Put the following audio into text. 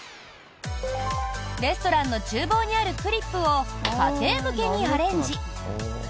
レストランの厨房にあるクリップを家庭向けにアレンジ。